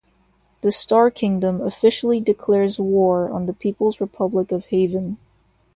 The Star Kingdom officially declares war on the People's Republic of Haven.